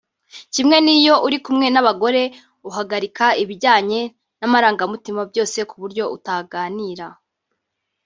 Kimwe n’iyo uri kumwe n’abagore uhagarika ibijyanye n’amarangamutima byose ku buryo utaganira